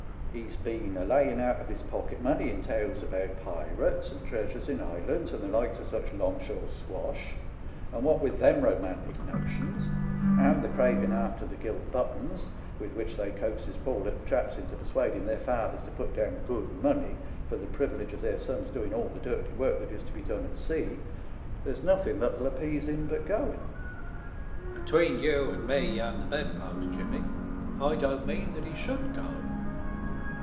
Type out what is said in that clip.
He's been a laying out of his pocket money in tales about pirates, and treasures in islands, and the likes of such 'longshore swash, and what with them romantic notions and the .craving after the gilt buttons with which they coaxes poor little chaps into persuading their fathers to put down good money for the privilege of their sons doing all the dirty work that is to be done at sea, there's nothen that'll appease him but going, and 'tween you and me and the bedpost, Jimmy, I don't mean that he should go.